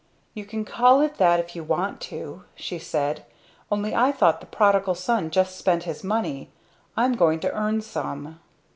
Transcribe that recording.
"You can call it that if you want to," she said, "Only I thought the Prodigal Son just spent his money I'm going to earn some."